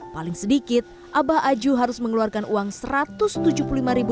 paling sedikit abah aju harus mengeluarkan uang seharga